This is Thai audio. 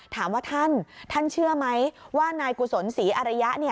ถามว่าท่านท่านเชื่อไหมว่านายกุศลศรีอริยะ